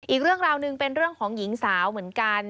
อีกเรื่องราวหนึ่งเป็นเรื่องของหญิงสาวเหมือนกัน